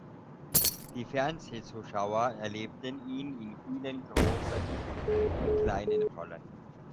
Die Fernsehzuschauer erlebten ihn in vielen großen und kleinen Rollen.